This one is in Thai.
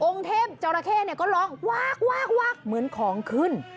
เทพจราเข้เนี่ยก็ร้องวากเหมือนของขึ้น